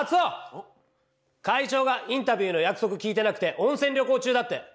んっ？会長がインタビューの約束聞いてなくて温泉旅行中だって。